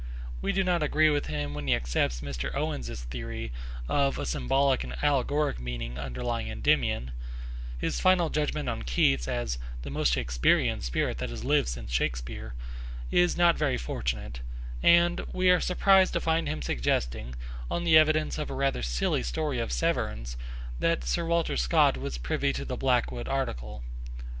We do not agree with him when he accepts Mrs. Owens's theory of a symbolic and allegoric meaning underlying Endymion, his final judgment on Keats as 'the most Shaksperean spirit that has lived since Shakspere' is not very fortunate, and we are surprised to find him suggesting, on the evidence of a rather silly story of Severn's, that Sir Walter Scott was privy to the Blackwood article.